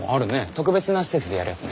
特別な施設でやるやつね。